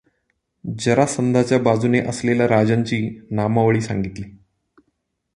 जरासंधाच्या बाजूने असलेल्या राजांची नामावळी सांगितली.